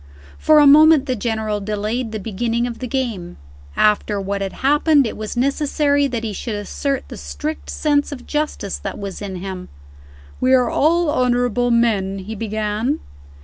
For a moment the General delayed the beginning of the game. After what had happened, it was necessary that he should assert the strict sense of justice that was in him. "We are all honorable men," he began.